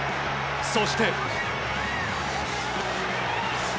そして。